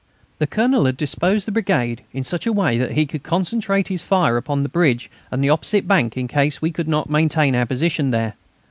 The Colonel had disposed the brigade in such a way that he could concentrate his fire upon the bridge and the opposite bank in case we could not maintain our position there.